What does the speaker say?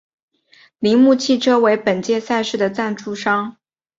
铃木汽车为本届赛事的赞助商。